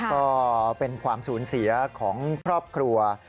ก็เป็นความสูญเสียของครอบครัว